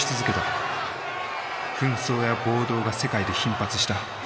紛争や暴動が世界で頻発した。